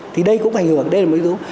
thì đây cũng ảnh hưởng đây là một lĩnh vụ